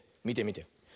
みてみて。